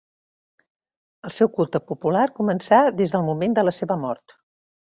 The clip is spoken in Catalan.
El seu culte popular començà des del moment de la seva mort.